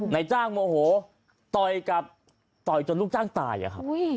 นายจ้างโมโหต่อยกับต่อยจนลูกจ้างตายอะครับ